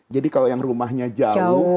jadi kalau yang rumahnya jauh